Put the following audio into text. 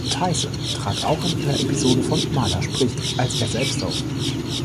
Tyson trat auch in einer Episode von „Marla spricht““ als er selbst auf.